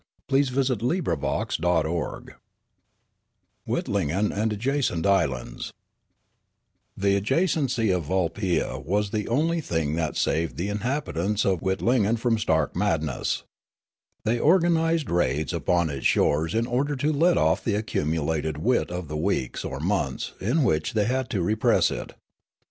9 ti^^: ^^ f99^^v^j^^t^ CHAPTER XXIV WITLINGEN AND ADJACENT ISLANDS THE adjacency of Vulpia was the only thing that saved the inhabitants of Witlingen from stark madness. They organised raids upon its shores in order to let off the accumulated wit of the weeks or months in which they had had to repress it.